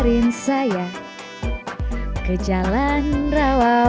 kita nggak bisa berbual